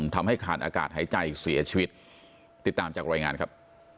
ทำให้ขาดอากาศหายใจเสียชีวิตติดตามจากรายงานครับ